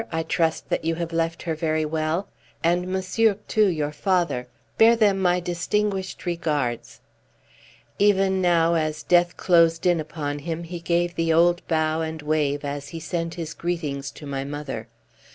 I trust that you have left her very well. And monsieur, too, your father? Bear them my distinguished regards!" Even now as death closed in upon him, he gave the old bow and wave as he sent his greetings to my mother.